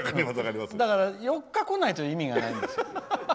だから、４日来ないと意味がないんですよ。